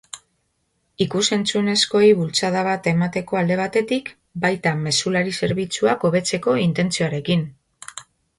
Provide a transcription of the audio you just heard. Ikus-entzunezkoei bultzada bat emateko alde batetik, baita mezulari zerbitzuak hobetzeko intentzioarekin!